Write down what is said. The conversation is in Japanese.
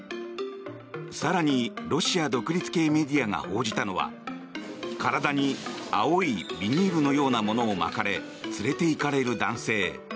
更に、ロシア独立系メディアが報じたのは体に青いビニールのようなものを巻かれ連れていかれる男性。